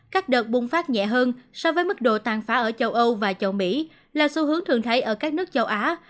các đợt bùng phát nhẹ hơn so với mức độ tàn phá ở châu âu và châu mỹ là xu hướng thường thấy ở các nước châu á